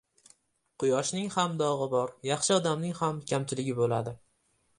• Quyoshning ham dog‘i bor, yaxshi odamning ham kamchiligi bo‘ladi.